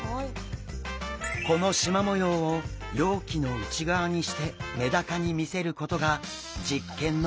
このしま模様を容器の内側にしてメダカに見せることが実験のポイント！